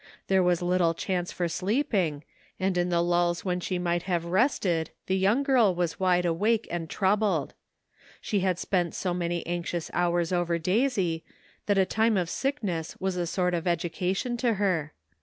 There was little chance for sleep ing, and in the lulls when she might have rested the young girl was wide awake and troubled ; she had spent so many anxious hours over Daisy, that a time of sickness was a sort of education to her.